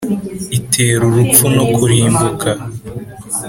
itera urupfu no kurimbuka.